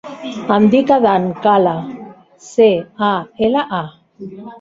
Em dic Adán Cala: ce, a, ela, a.